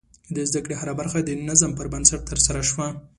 د زده کړې هره برخه د نظم پر بنسټ ترسره شوه.